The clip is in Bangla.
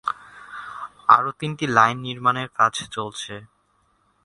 আরও তিনটি লাইন নির্মাণের কাজ চলছে।